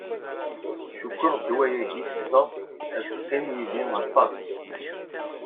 Cukkeɣ ddwa-yagi i sesseɣ ad teqqim yid-i aṭas.